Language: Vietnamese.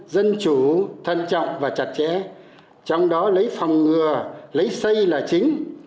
dân chủ thận trọng và chặt chẽ trong đó lấy phòng ngừa lấy xây là chính